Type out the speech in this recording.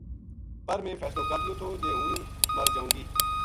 پر میں فیصلو کر لیو تھو جے ہوں مر جاؤں گی